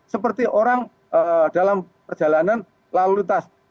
seperti orang dalam perjalanan lalu lintas